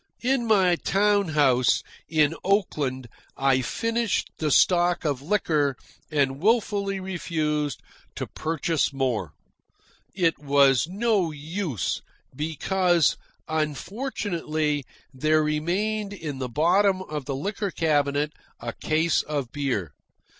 In my town house, in Oakland, I finished the stock of liquor and wilfully refused to purchase more. It was no use, because, unfortunately, there remained in the bottom of the liquor cabinet a case of beer.